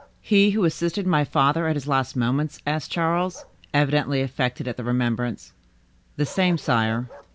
"He who assisted my father at his last moments?" asked Charles, evidently affected at the remembrance. "The same, sire."